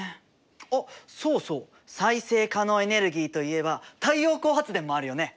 あっそうそう再生可能エネルギーといえば太陽光発電もあるよね！